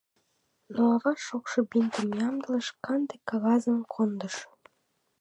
Но ава шокшо бинтым ямдылыш, канде кагазым кондыш.